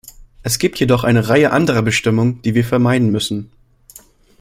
Es gibt jedoch eine Reihe anderer Bestimmungen, die wir vermeiden müssen.